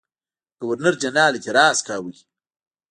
ګورنرجنرال اعتراض کاوه.